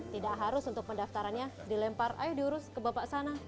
tidak harus untuk pendaftarannya dilempar ayo diurus ke bapak sana